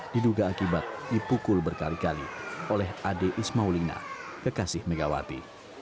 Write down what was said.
diduga akibat dipukul berkali kali oleh ade ismaulina kekasih megawati